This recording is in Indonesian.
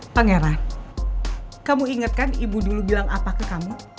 pangeran kamu inget kan ibu dulu bilang apa ke kamu